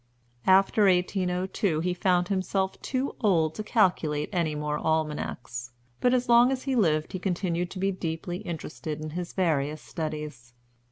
After 1802 he found himself too old to calculate any more Almanacs, but as long as he lived he continued to be deeply interested in his various studies.